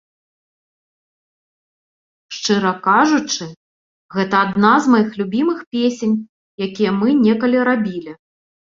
Шчыра кажучы, гэта адна з маіх любімых песень, якія мы некалі рабілі.